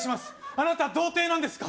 あなた童貞なんですか？